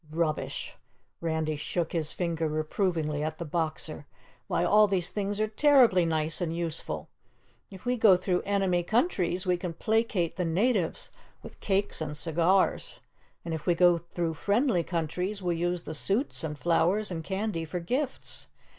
"Rubbish!" Randy shook his finger reprovingly at the Boxer. "Why, all these things are terribly nice and useful. If we go through enemy countries, we can placate the natives with cakes and cigars, and if we go through friendly countries, we'll use the suits and flowers and candy for gifts.